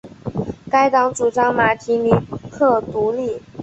该党主张马提尼克独立。